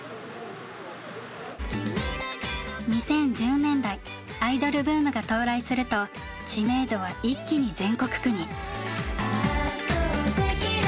２０１０年代アイドルブームが到来すると知名度は一気に全国区に。